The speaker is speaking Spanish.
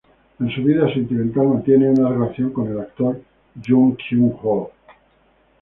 En su vida sentimental, mantiene una relación con el actor Jung Kyung Ho.